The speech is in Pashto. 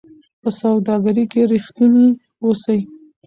په سوداګرۍ کې رښتیني اوسئ.